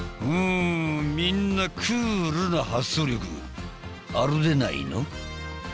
うんみんなクールな発想力あるでないの。